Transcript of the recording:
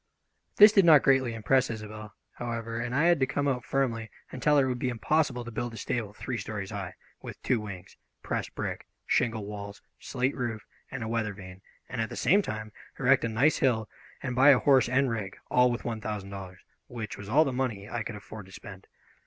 This did not greatly impress Isobel, however, and I had to come out firmly and tell her it would be impossible to build a stable three stories high, with two wings, pressed brick, shingle walls, slate roof, and a weather vane, and at the same time erect a nice hill and buy a horse and rig, all with one thousand dollars, which was all the money I could afford to spend.